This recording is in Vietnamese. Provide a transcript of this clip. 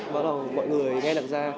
bắt đầu mọi người nghe đặc gia